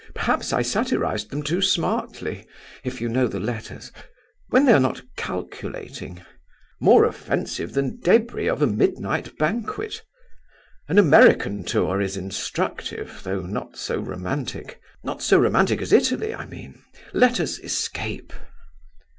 Perhaps I satirized them too smartly if you know the letters. When they are not 'calculating'. More offensive than debris of a midnight banquet! An American tour is instructive, though not so romantic. Not so romantic as Italy, I mean. Let us escape."